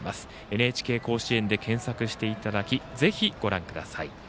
ＮＨＫ甲子園で検索していただきぜひ、ご覧ください。